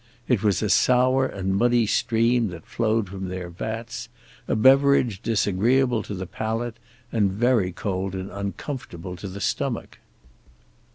It was a sour and muddy stream that flowed from their vats; a beverage disagreeable to the palate, and very cold and uncomfortable to the stomach.